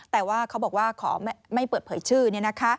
แต่ว่าเขาบอกว่าขอไม่เปิดเผยชื่อ